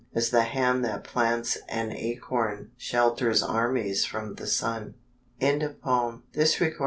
As the hand that plants an acorn Shelters armies from the sun. _Ella Wheeler Wilcox.